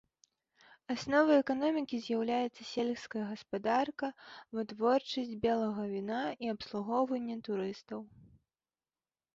Асновай эканомікі з'яўляюцца сельская гаспадарка, вытворчасць белага віна і абслугоўванне турыстаў.